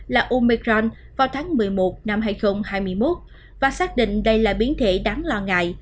là umecron vào tháng một mươi một năm hai nghìn hai mươi một và xác định đây là biến thể đáng lo ngại